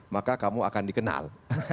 maka kamu akan dikenal